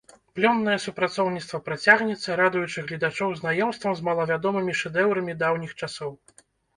Плённае супрацоўніцтва працягнецца, радуючы гледачоў знаёмствам з малавядомымі шэдэўрамі даўніх часоў.